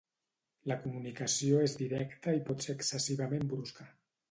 La comunicació és directa i pot ser excessivament brusca.